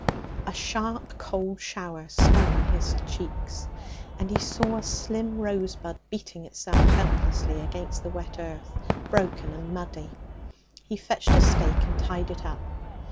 "' A sharp cold shower stung his cheeks, and he saw a slim rosebud beating itself helplessly against the wet earth, broken and muddy. He fetched a stake and tied it up.